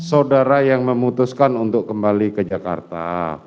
saudara yang memutuskan untuk kembali ke jakarta